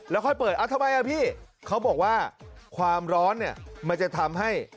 แล้วค่อยเปิดทำไมอ่ะพี่เขาบอกว่าความร้อนเนี่ยมันจะทำให้